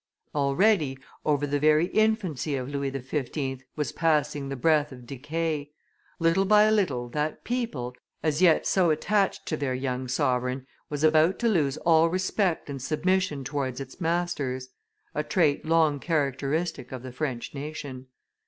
Already, over the very infancy of Louis XV. was passing the breath of decay; little by little that people, as yet so attached to their young sovereign, was about to lose all respect and submission towards its masters; a trait long characteristic of the French nation.